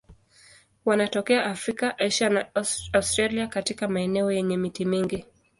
Wanatokea Afrika, Asia na Australia katika maeneo yenye miti mingi.